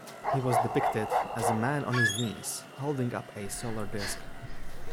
He was depicted as a man on his knees, holding up a solar disc.